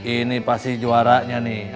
ini pasti juaranya nih